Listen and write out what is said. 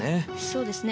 そうですね。